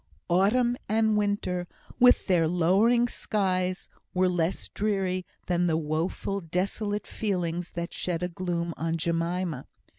Autumn and winter, with their lowering skies, were less dreary than the woeful, desolate feelings that shed a gloom on Jemima.